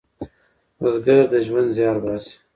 بزګر د ژوند زیار باسي